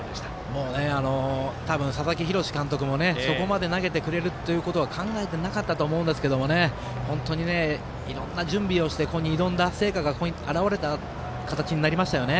もう多分、佐々木洋監督もそこまで投げてくれるということは考えてなかったと思うんですけど本当にいろんな準備をしていろんな成果がここに現れた結果になりましたね。